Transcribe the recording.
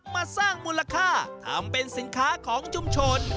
มาสร้างมูลค่าทำเป็นสินค้าของชุมชน